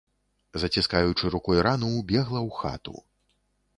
Заціскаючы рукой рану, убегла ў хату.